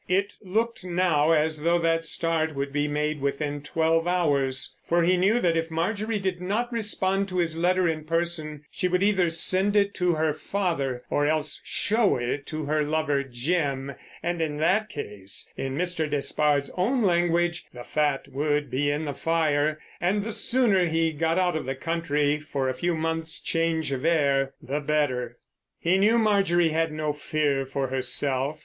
It looked now as though that start would be made within twelve hours. For he knew that if Marjorie did not respond to his letter in person, she would either send it to her father or else show it to her lover, Jim, and in that case—in Mr. Despard's own language—"the fat would be in the fire," and the sooner he got out of the country for a few months' change of air the better. He knew Marjorie had no fear for herself.